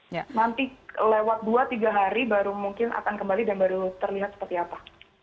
nanti lewat dua tiga hari baru mungkin akan kembali dan baru terlihat seperti apa